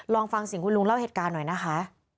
ลองฟังเสียงคุณลุงเล่าเหตุการณ์หน่อยนะคะ